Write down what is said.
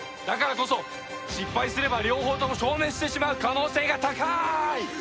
だからこそ失敗すれば両方とも消滅してしまう可能性が高ーい！